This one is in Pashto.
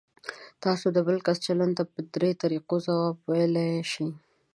تاسو د بل کس چلند ته په درې طریقو ځواب ویلی شئ.